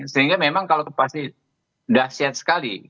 sehingga memang kalau kepupas ini dahsyat sekali